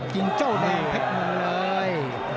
กินเจ้าแดงแพ็คมึงเลย